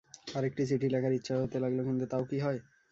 আরেকটি চিঠি লেখার ইচ্ছা হতে লাগল, কিন্তু তাও কি হয়?